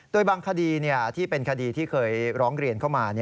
โดยบางคดีที่เป็นคดีที่เคยร้องเรียนเข้ามา